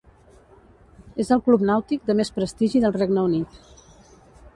És el club nàutic de més prestigi del Regne Unit.